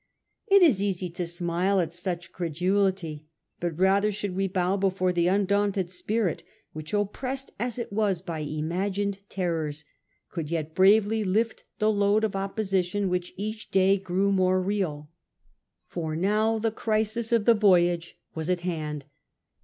It is easy to smile at such credulity ; but rather should we bow before the undaunted spirit which, oppressed aa it was with imagined terrors, could yet bravely lift the load of opposition which each day grew more real. For now the crisis of the voyage was at hand.